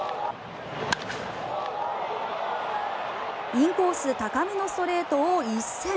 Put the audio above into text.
インコース高めのストレートを一閃！